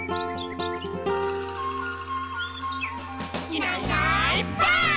「いないいないばあっ！」